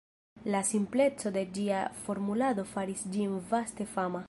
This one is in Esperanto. La simpleco de ĝia formulado faris ĝin vaste fama.